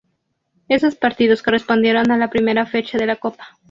Esos partidos correspondieron a la primera fecha de la copa.